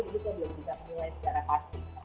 jadi saya belum bisa menilai secara pasti